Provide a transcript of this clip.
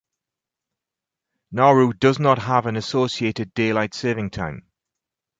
Nauru does not have an associated daylight saving time.